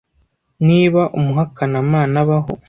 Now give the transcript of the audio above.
niba umuhakanamana abaho